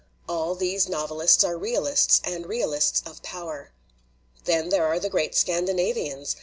All these novelists are realists, and realists of power. "Then there are the great Scandinavians.